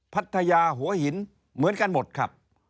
พัทยาหัวหินเหมือนกันหมดครับ